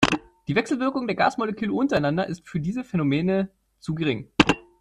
Die Wechselwirkung der Gasmoleküle untereinander ist für diese Phänomene zu gering.